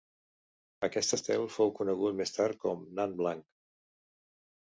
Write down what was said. Aquest estel fou conegut més tard com nan blanc.